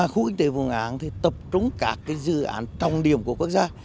khu kinh tế vụng áng tập trung các dự án trọng điểm của quốc gia